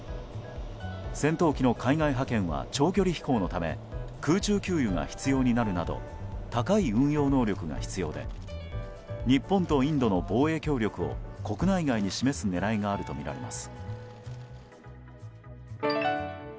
戦闘機の海外派遣は長距離飛行のため空中給油が必要になるなど高い運用能力が必要で日本とインドの防衛協力を国内外に示す狙いがあるとみられます。